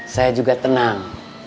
saya juga tenang